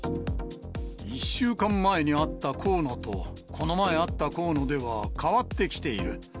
１週間前に会った河野と、この前会った河野では、変わってきている。